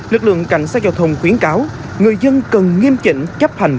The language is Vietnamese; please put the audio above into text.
lực lượng cảnh sát giao thông khuyến cáo người dân cần nghiêm chỉnh chấp hành